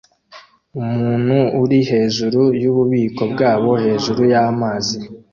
Umuntu uri hejuru yububiko bwabo hejuru y'amazi